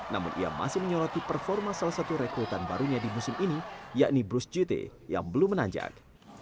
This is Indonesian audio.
namun ia masih menyoroti performa salah satu rekrutan barunya di musim ini yakni brus jute yang belum menanjak